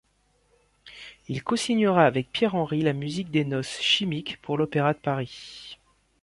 Il co-signera avec Pierre Henry la musique des Noces chimiques pour l'Opéra de Paris.